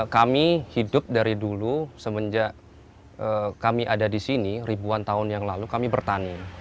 kami hidup dari dulu semenjak kami ada di sini ribuan tahun yang lalu kami bertani